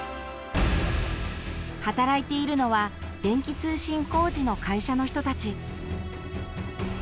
働いているのは電気通信工事の会社の人たち。